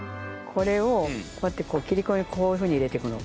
これをこうやって切り込みをこういうふうに入れていくの。